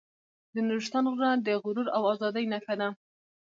د نورستان غرونه د غرور او ازادۍ نښه ده.